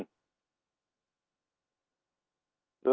อาศัยอยู่ในชุมชนก้นซอยปลายซอยในซอกในหลืบของกอโทมอนนี่แหละ